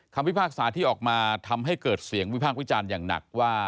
พิพากษาที่ออกมาทำให้เกิดเสียงวิพากษ์วิจารณ์อย่างหนักว่า